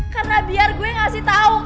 karena biar gue ngasih tau